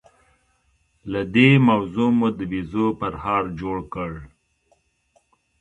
له دې موضوع مو د بيزو پرهار جوړ کړ.